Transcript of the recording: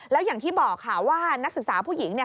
แล้วอย่างที่บอกค่ะว่านักศึกษาผู้หญิงเนี่ย